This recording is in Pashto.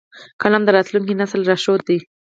قلم د راتلونکي نسل لارښود دی